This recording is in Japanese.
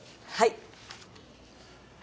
はい。